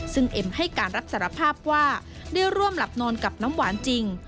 ซึ่งเอ็มให้การรับสารภาพว่าได้ร่วมหลับนอนกับน้ำหวานจริง